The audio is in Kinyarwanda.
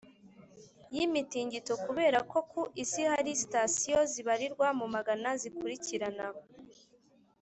y’imitingito kubera ko ku isi hari sitasiyo zibarirwa mu magana zikurikirana.